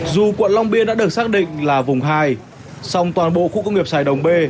dù quận long biên đã được xác định là vùng hai song toàn bộ khu công nghiệp sài đồng b